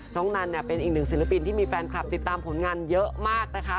นันเนี่ยเป็นอีกหนึ่งศิลปินที่มีแฟนคลับติดตามผลงานเยอะมากนะคะ